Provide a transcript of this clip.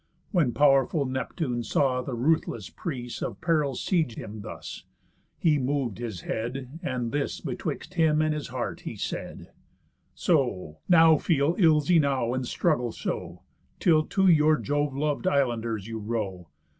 When pow'rful Neptune saw the ruthless prease Of perils siege him thus, he mov'd his head, And this betwixt him and his heart he said: "So, now feel ills enow, and struggle so, Till to your Jove lov'd islanders you row.